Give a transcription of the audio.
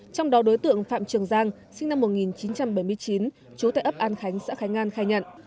trong đó đối tượng phạm trường giang sinh năm một nghìn chín trăm bảy mươi chín chú tại ấp an khánh xã khánh an khai nhận